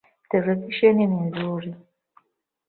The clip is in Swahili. Televisheni ni nzuri.